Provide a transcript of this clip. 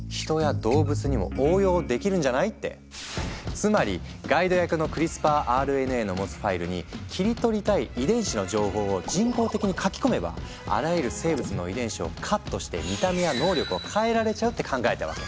つまりガイド役のクリスパーＲＮＡの持つファイルに切り取りたい遺伝子の情報を人工的に書き込めばあらゆる生物の遺伝子をカットして見た目や能力を変えられちゃうって考えたわけ。